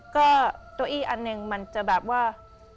ก็เก้าอี้อันหนึ่งมันจะแบบว่า